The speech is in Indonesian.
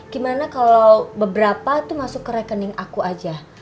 gimana kalau beberapa tuh masuk ke rekening aku aja